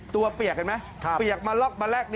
เปียกเห็นไหมเปียกมาล็อกมาแลก